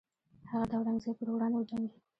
هغه د اورنګزیب پر وړاندې وجنګید.